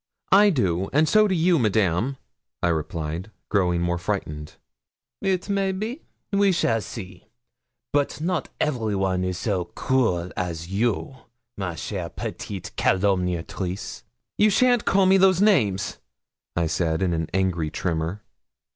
'I do, and so do you, Madame,' I replied, growing more frightened. 'It may be we shall see; but everyone is not so cruel as you, ma chère petite calomniatrice.' 'You shan't call me those names,' I said, in an angry tremor.